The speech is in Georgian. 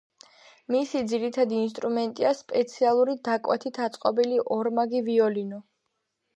მისი ძირითადი ინსტრუმენტია სპეციალური დაკვეთით აწყობილი ორმაგი ვიოლინო.